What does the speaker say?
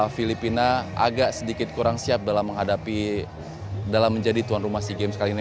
filipina agak sedikit kurang siap dalam menghadapi dalam menjadi tuan rumah sea games kali ini